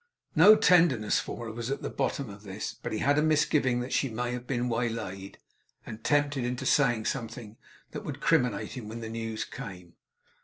No tenderness for her was at the bottom of this; but he had a misgiving that she might have been waylaid, and tempted into saying something that would criminate him when the news came.